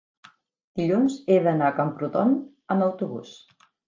dilluns he d'anar a Camprodon amb autobús.